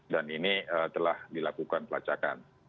dan ini telah dilakukan pelacakan